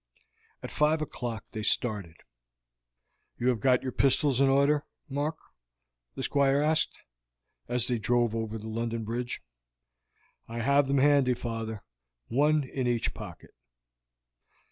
At five o'clock they started. "You have got your pistols in order, Mark?" the Squire asked, as they drove over London Bridge. "I have them handy, father, one in each pocket."